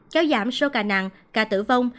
kéo giảm số ca nặng ca tử vong